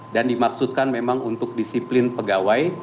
dan dimaksudkan memang untuk disiplin pegawai